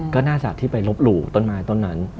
ก็น่าจะที่ไปลบหลู่ต้นไม้ต้นนั้น